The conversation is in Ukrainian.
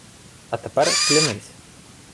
— А тепер клянися.